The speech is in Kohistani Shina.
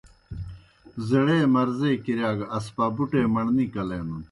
زیڑے مرضے کِرِیا گہ اسپابُٹے مڑنے کلینَن۔